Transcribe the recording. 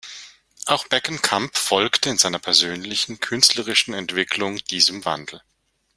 Auch Beckenkamp folgte in seiner persönlichen künstlerischen Entwicklung diesem Wandel.